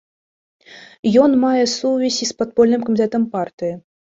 Ён мае сувязь і з падпольным камітэтам партыі.